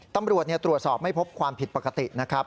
ตำรวจตรวจสอบไม่พบความผิดปกตินะครับ